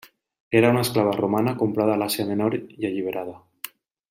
Era una esclava romana comprada a l'Àsia Menor i alliberada.